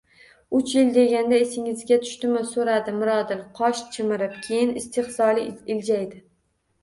Uch yil deganda, esingizga tushdimi, so`radi Mirodil qosh chimirib, keyin istehzoli iljaydi